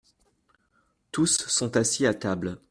Tous sont assis à table.